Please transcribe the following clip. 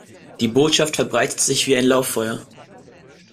Die Botschaft verbreitet sich wie ein Lauffeuer.